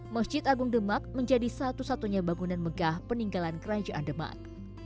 masjid agung demak menjadi satu satunya bangunan megah peninggalan kerajaan demak